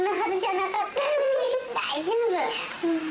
大丈夫！